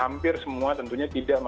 ya hampir semua tentunya tidak mas